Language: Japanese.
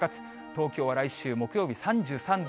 東京は来週木曜日、３３度。